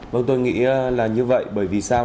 vâng tôi nghĩ là như vậy bởi vì sao